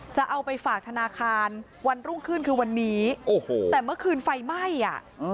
จะเอาไปฝากธนาคารวันรุ่งขึ้นคือวันนี้โอ้โหแต่เมื่อคืนไฟไหม้อ่ะ